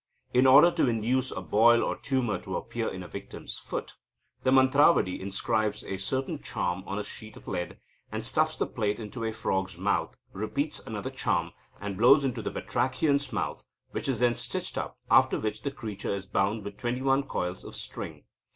In order to induce a boil or tumour to appear in a victim's foot, the mantravadi inscribes a certain charm on a sheet of lead, and stuffs the plate into a frog's mouth, repeats another charm, and blows into the batrachian's mouth, which is then stitched up, after which the creature is bound with twenty one coils of string.